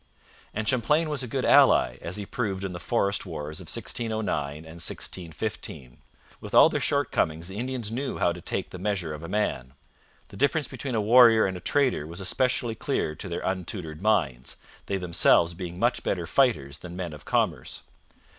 And Champlain was a good ally, as he proved in the forest wars of 1609 and 1615. With all their shortcomings, the Indians knew how to take the measure of a man. The difference between a warrior and a trader was especially clear to their untutored minds, they themselves being much better fighters than men of commerce.